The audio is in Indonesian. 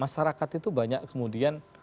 masyarakat itu banyak kemudian